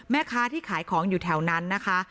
แม่ค้าที่ขายของอยู่แถวนั้นนะคะ